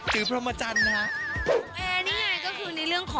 ไทยรัฐกฎหมายเลข